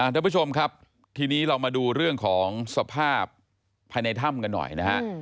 ท่านผู้ชมครับทีนี้เรามาดูเรื่องของสภาพภายในถ้ำกันหน่อยนะฮะ